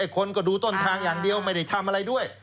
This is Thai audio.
คนก็ดูต้นทางอย่างเดียวไม่ได้ทำอะไรด้วย